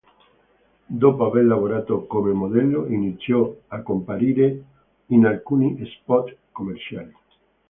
Dopo aver lavorato come modello, iniziò a comparire in alcuni spot commerciali.